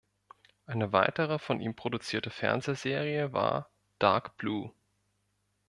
Eine weitere von ihm produzierte Fernsehserie war "Dark Blue".